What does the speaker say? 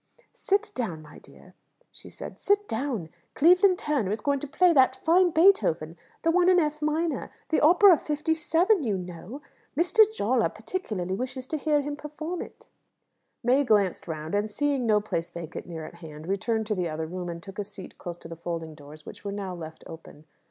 "Sit down, my dear," she said; "sit down. Cleveland Turner is going to play that fine Beethoven, the one in F minor, the opera 57, you know. Mr. Jawler particularly wishes to hear him perform it." May glanced round, and seeing no place vacant near at hand, returned to the other room, and took a seat close to the folding doors, which were now left open.